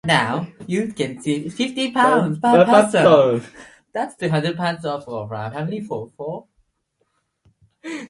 It is a collection of covers combined with Stewart's own compositions.